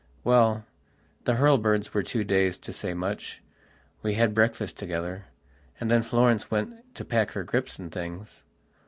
Well, the Hurlbirds were too dazed to say much. We had breakfast together, and then Florence went to pack her grips and things.